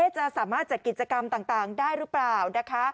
จะสามารถจัดกิจกรรมต่างได้หรือเปล่านะคะ